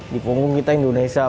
di punggung kita indonesia